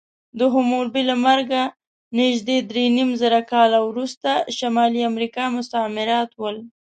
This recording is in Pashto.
د حموربي له مرګه نږدې درېنیمزره کاله وروسته شمالي امریکا مستعمرات ول.